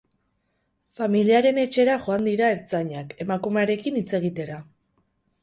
Familiaren etxera joan dira ertzainak, emakumearekin hitz egitera.